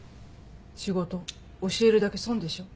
仕事教えるだけ損でしょ。